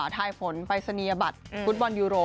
ทายฝนไปรษณียบัตรฟุตบอลยูโร